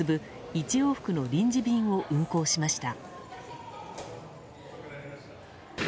１往復の臨時便を運航しました。